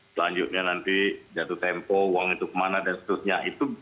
selanjutnya nanti jatuh tempo uang itu kemana dan seterusnya